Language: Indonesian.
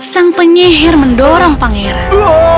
sang penyihir mendorong pangeran